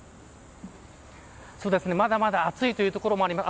まだまだ暑いというところもあります。